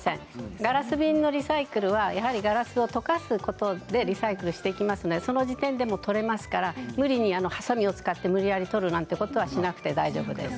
ガラス瓶のリサイクルはガラスを溶かすことでリサイクルしていますのでその時点で取れますからはさみを使って無理やり取ることはしなくて大丈夫です。